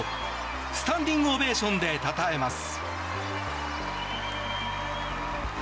スタンディングオベーションでたたえます。